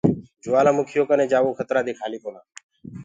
جوآلآ مُکيٚ يو ڪني جآوو کترآ دي کآلي ڪونآ۔